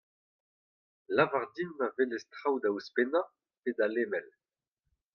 lavar din ma welez traoù da ouzhpennañ (pe da lemel).